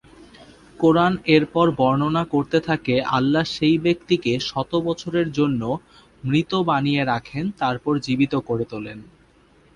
কুরআন এরপর বর্ণনা করতে থাকে আল্লাহ সেই ব্যক্তিকে শত বছরের জন্য মৃত বানিয়ে রাখেন তারপর জীবিত করে তুলেন।